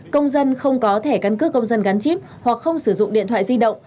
công dân không có thẻ căn cước công dân gắn chip hoặc không sử dụng điện thoại di động